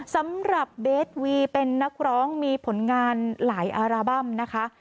สำหรับเบสวีเป็นนักร้องมีผลงานหลายอัลบั้มนะคะ